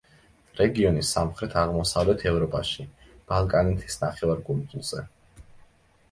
რეგიონი სამხრეთ-აღმოსავლეთ ევროპაში, ბალკანეთის ნახევარკუნძულზე.